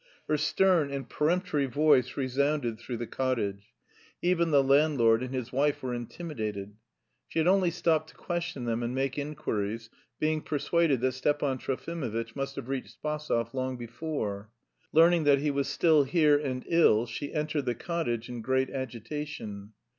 Her stern and peremptory voice resounded through the cottage; even the landlord and his wife were intimidated. She had only stopped to question them and make inquiries, being persuaded that Stepan Trofimovitch must have reached Spasov long before. Learning that he was still here and ill, she entered the cottage in great agitation.